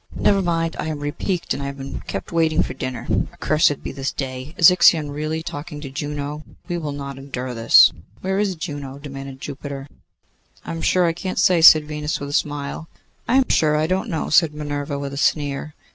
'Never mind. I am repiqued, and I have been kept waiting for dinner. Accursed be this day! Is Ixion really talking to Juno? We will not endure this.' 'Where is Juno?' demanded Jupiter. 'I am sure I cannot say,' said Venus, with a smile. 'I am sure I do not know,' said Minerva, with a sneer.